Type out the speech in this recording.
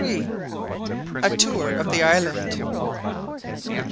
A TOUR OF THE ISLAND.